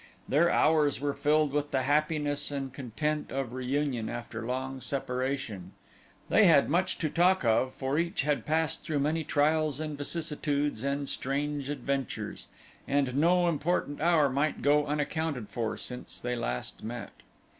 Their hours were filled with the happiness and content of reunion after long separation; they had much to talk of, for each had passed through many trials and vicissitudes and strange adventures, and no important hour might go unaccounted for since last they met.